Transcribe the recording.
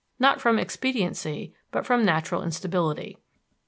not from expediency, but from natural instability.